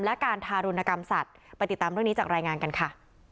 และการทารุณกรรมสัตว์ไปติดตามเรื่องนี้จากรายงานกันค่ะ